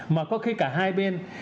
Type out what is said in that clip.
mà có khi cả hai bên